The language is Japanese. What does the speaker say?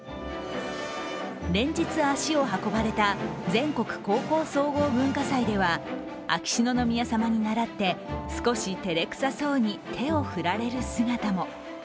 連日足を運ばれた全国高校総合文化祭では秋篠宮さまにならって、少してれくさそうに手を振られる姿も。